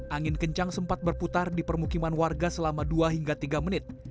angin kencang sempat berputar di permukiman warga selama dua hingga tiga menit